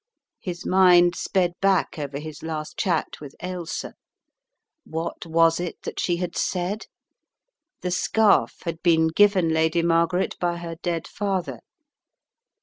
His mind sped back over his last chat with Ailsa. What was it that she had said? The scarf had been given Lady Margaret by her dead father.